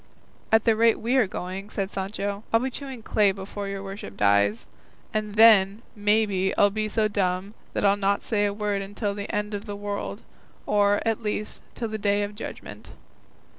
"At the rate we are going," said Sancho, "I'll be chewing clay before your worship dies; and then, maybe, I'll be so dumb that I'll not say a word until the end of the world, or, at least, till the day of judgment."